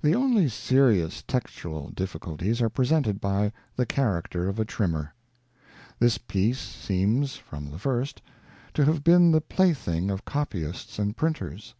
The only serious textual difficulties are presented by The Character of a Trimmer. This piece seems, from the first, to have been the plaything of copyists and printers.